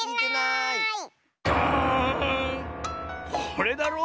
これだろ。